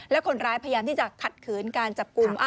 และคนร้ายพยายามที่จะขัดขืนการจับกลุ่ม